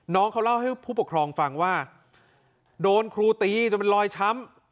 น้องเขาเล่าให้ผู้ปกครองฟังว่าโดนครูตีจนเป็นรอยช้ำ